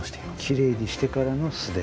きれいにしてからの素手。